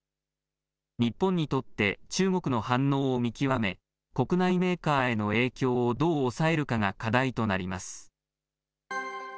日本にとって中国の反応を見極め、国内メーカーへの影響をどう抑えるかが課題となります。